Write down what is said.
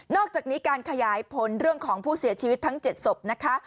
อกจากนี้การขยายผลเรื่องของผู้เสียชีวิตทั้ง๗ศพนะคะ